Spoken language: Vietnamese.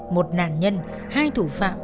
một nạn nhân hai thủ phạm